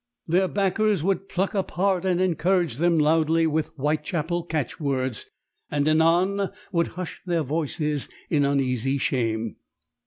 Their backers would pluck up heart and encourage them loudly with Whitechapel catch words, and anon would hush their voices in uneasy shame.